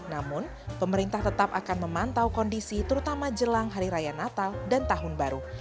namun pemerintah tetap akan memantau kondisi terutama jelang hari raya natal dan tahun baru